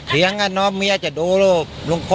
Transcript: เพียงน้องเมียจะดูลูก